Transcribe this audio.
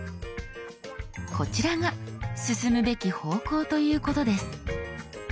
こちらが進むべき方向ということです。